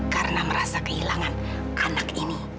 karena merasa kehilangan anak ini